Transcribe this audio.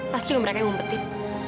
pasti mereka yang ngumpetin